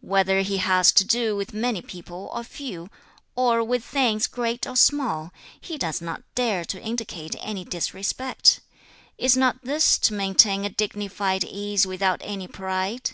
Whether he has to do with many people or few, or with things great or small, he does not dare to indicate any disrespect; is not this to maintain a dignified ease without any pride?